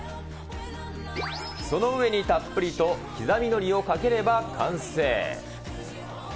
その上にたっぷりと刻みのりをかければ完成。